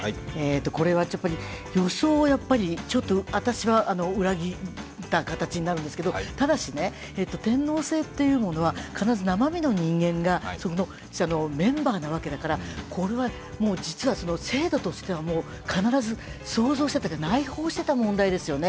これは予想を裏切った形になるんですけどただし、天皇制というものは必ず生身の人間がメンバーなわけだからこれはもう実は制度としては必ず想像していたというか内包していた問題ですよね。